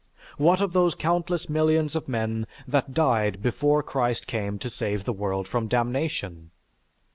What of those countless millions of men that died before Christ came to save the world from damnation?